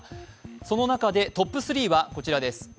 その中でトップ３はこちらです。